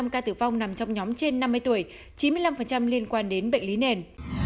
năm ca tử vong nằm trong nhóm trên năm mươi tuổi chín mươi năm liên quan đến bệnh lý nền